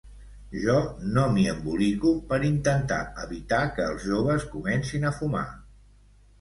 Jo no m'hi embolico per intentar evitar que els joves comencin a fumar.